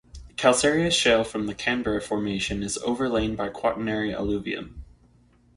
Calcareous shale from the Canberra Formation is overlain by Quaternary alluvium.